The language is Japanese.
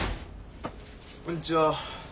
こんにちは。